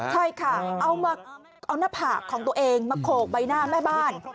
ใช่ค่ะเอาหน้าผากของตัวเองมาโขกใบหน้าแม่บ้าน